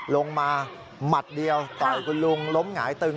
ลงมาหมัดเดียวต่อยคุณลุงล้มหงายตึง